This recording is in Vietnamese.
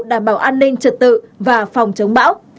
đảm bảo an ninh trật tự và phòng chống bão